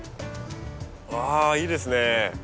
ああいいですね。